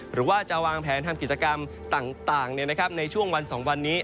หรือว่าจะวางแผนทำกิจกรรมต่างในช่วงวัน๒วันนี้